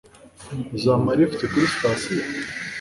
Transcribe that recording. Uzampa lift kuri sitasiyo?